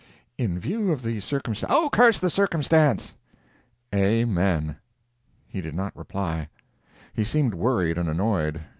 "In view of the circumstance—" "Oh, curse the circumstance!" "Amen." He did not reply. He seemed worried and annoyed.